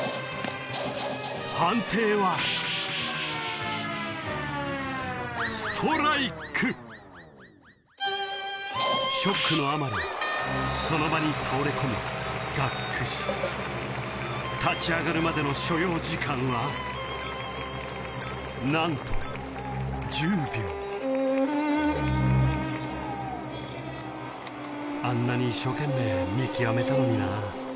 判定はストライクショックのあまりその場に倒れ込みがっくし立ち上がるまでの所要時間はなんと１０秒「あんなに一生懸命見極めたのにな」